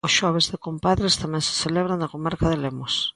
O Xoves de Compadres tamén se celebra na comarca de Lemos.